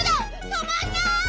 とまんない！